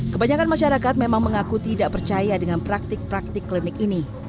kebanyakan masyarakat memang mengaku tidak percaya dengan praktik praktik klinik ini